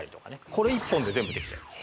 これ１本で全部できちゃいます